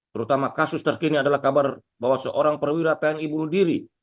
terutama kasus terkini adalah kabar bahwa seorang perwira tni bunuh diri